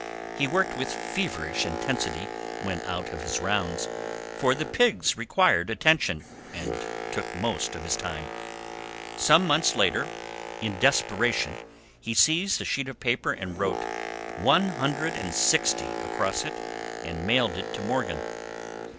He worked with feverish intensity when out on his rounds, for the pigs required attention and took most of his time. Some months later, in desperation, he seized a sheet of paper and wrote "160" across it and mailed it to Morgan.